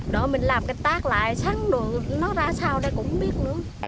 đợi mình làm cái tác lại sắn được nó ra sao đây cũng không biết nữa